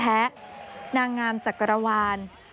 แฟนแท้นางงามจักรวาล